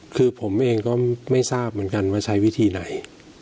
คือผมเองก็ไม่ทราบเหมือนกันว่าใช้วิธีไหน